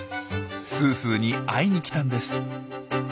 すーすーに会いに来たんです。